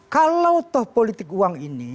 kalau toh politik uang ini